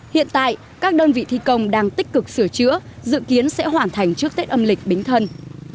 hiện tại các đơn vị thi công đang tích cực sửa chữa dự kiến sẽ hoàn thành trước tết âm lịch bính thân